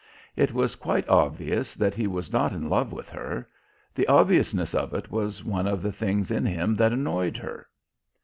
It was quite obvious that he was not in love with her; the obviousness of it was one of the things in him that annoyed her.